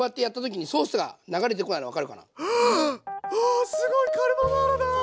あすごいカルボナーラだ！